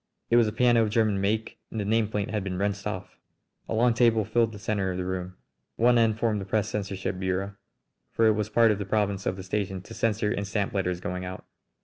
It was a piano of German make, and the nameplate had been wrenched off! A long table filled the centre of the room. One end formed the press censorship bureau, for it was part of the province of the station to censor and stamp letters going out.